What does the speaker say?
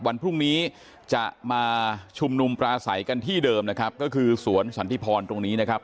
วันพรุ่งนี้จะมาชุมนุมปลาใสกันที่เดิมนะครับก็คือสวนสันติพรตรงนี้นะครับ